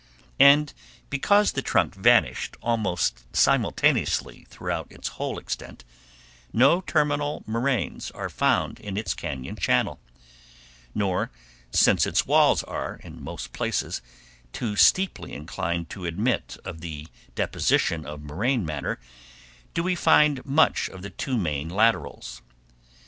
And because the trunk vanished almost simultaneously throughout its whole extent, no terminal moraines are found in its cañon channel; nor, since its walls are, in most places, too steeply inclined to admit of the deposition of moraine matter, do we find much of the two main laterals.